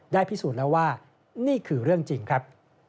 พิสูจน์แล้วว่านี่คือเรื่องจริงครับ